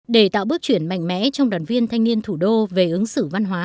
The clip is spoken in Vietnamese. để tạo bước chuyển mạnh mẽ trong đoàn viên thanh niên thủ đô về ứng xử văn hóa